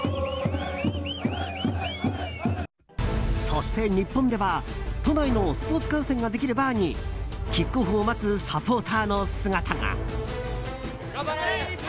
そして日本では、都内のスポーツ観戦ができるバーにキックオフを待つサポーターの姿が。